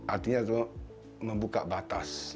artinya itu membuka batas